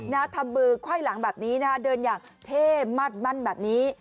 ทำมือไขว้หลังแบบนี้นะฮะเดินอย่างเท่มัดมั่นแบบนี้